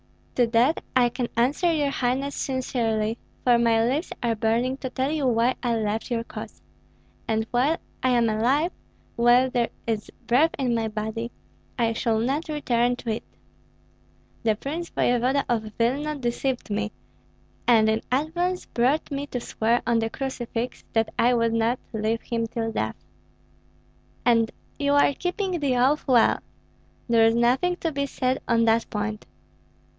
"To that I can answer your highness sincerely, for my lips are burning to tell you why I left your cause; and while I am alive, while there is breath in my body, I shall not return to it. The prince voevoda of Vilna deceived me, and in advance brought me to swear on the crucifix that I would not leave him till death." "And you are keeping the oath well. There is nothing to be said on that point."